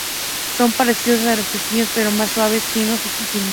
Son parecidos a los pestiños, pero más suaves, finos y sin miel.